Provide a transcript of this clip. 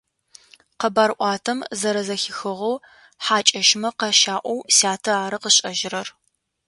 Къэбарӏуатэм зэрэзэхихыгъэу хьакӏэщмэ къащаӏоу сятэ ары къышӏэжьырэр.